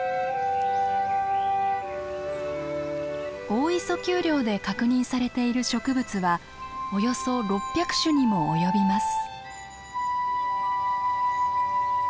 大磯丘陵で確認されている植物はおよそ６００種にも及びます。